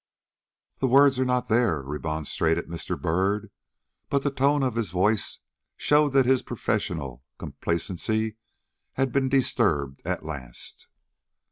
"The words are not there," remonstrated Mr. Byrd; but the tone of his voice showed that his professional complacency had been disturbed at last.